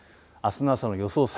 あすの朝の予想